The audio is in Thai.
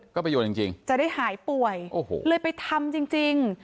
ก็ไปโยนจริงจะได้หายป่วยเลยไปทำจริง